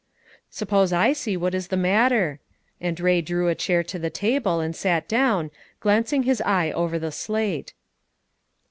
"Suppose I see what is the matter." And Bay drew a chair to the table and sat down, glancing his eye over the slate.